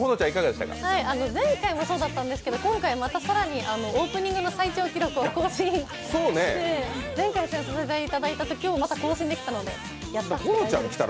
前回もそうだったんですけど今回更にオープニングの最長記録を更新して、前回出演させていただいたときより今日また更新できたので、やった！